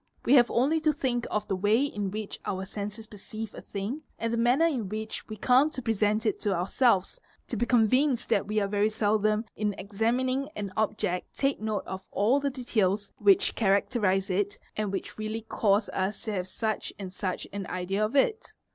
We have only to think of the way in which our senses perceive a thing and _ the manner in which we come to present it to ourselves, to be convinced _ that we very seldom in examining an object take note of all the details _ which characterise it and which really cause us to have such and such an idea of it.